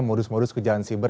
modus modus kejahatan siber